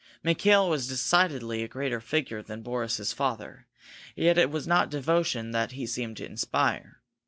Mikail was decidedly a greater figure than Boris's father. Yet it was not devotion that he seemed to inspire.